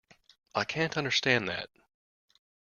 I can't understand that